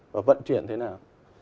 và vận chuyển thế nào